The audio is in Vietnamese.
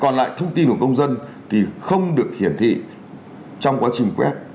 còn lại thông tin của công dân thì không được hiển thị trong quá trình quét